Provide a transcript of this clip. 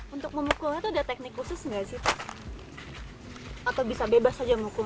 untuk memukulnya itu ada teknik khusus gak sih pak